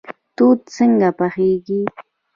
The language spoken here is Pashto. توت څنګه پخیږي؟